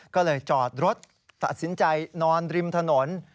ก็เลยจอดรถตัดสินใจนอนริมถนน